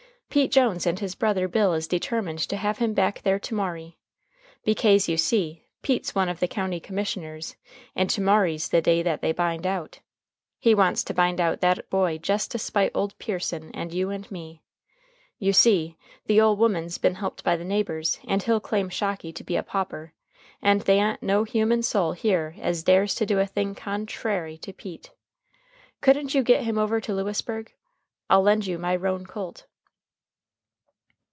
Pete Jones and his brother Bill is determined to have him back there to morry. Bekase you see, Pete's one of the County Commissioners and to morry's the day that they bind out. He wants to bind out that boy jes' to spite ole Pearson and you and me. You see, the ole woman's been helped by the neighbors, and he'll claim Shocky to be a pauper, and they a'n't no human soul here as dares to do a thing con_tra_ry to Pete. Couldn't you git him over to Lewisburg? I'll lend you my roan colt."